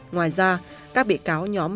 ngoài ra các bị cáo nhóm